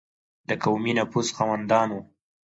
د قومي نفوذ خاوندانو.